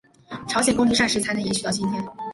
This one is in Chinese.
朝鲜宫廷膳食才能延续到今天。